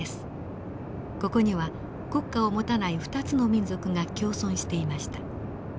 ここには国家を持たない２つの民族が共存していました。